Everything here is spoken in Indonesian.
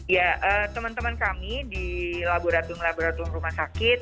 ya teman teman kami di laboratorium laboratorium rumah sakit